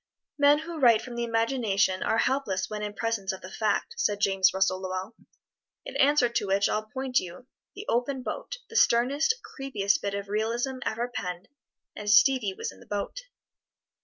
"Men who write from the imagination are helpless when in presence of the fact," said James Russell Lowell. In answer to which I'll point you "The Open Boat," the sternest, creepiest bit of realism ever penned, and Stevie was in the boat.